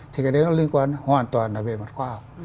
thì cái đấy nó liên quan hoàn toàn là về mặt khoa học